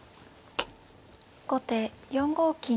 後手４五金。